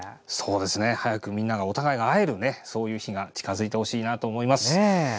早くみんながお互いが会える日が近づいてほしいなと思います。